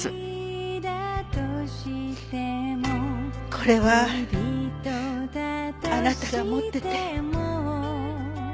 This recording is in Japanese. これはあなたが持ってて。